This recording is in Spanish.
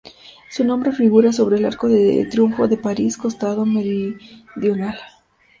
Su nombre figura sobre el Arco de Triunfo de París, costado meridional.